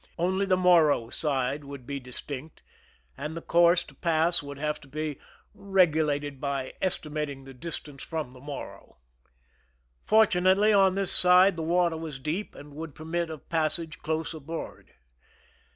Only the Morro side would be distinct, and the course to pass would have to be regulated by estimating the distance from the IVI^orro. Fortunately, on this side the water was deep, and would permit of passage close aboard.